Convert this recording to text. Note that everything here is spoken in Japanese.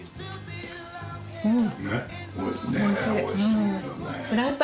うん。